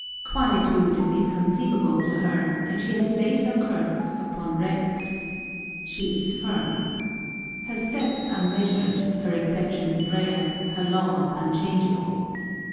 Quietude is inconceivable to her, and she has laid her curse upon rest. She is firm. Her steps are measured, her exceptions rare, her laws unchangeable.